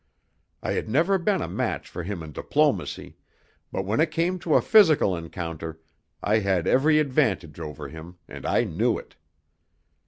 I had never been a match for him in diplomacy, but when it came to a physical encounter, I had every advantage over him, and I knew it.